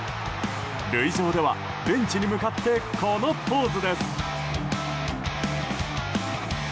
塁上では、ベンチに向かってこのポーズです。